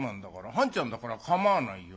半ちゃんだから構わないよ。